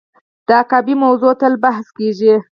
د حقابې موضوع تل بحث کیږي.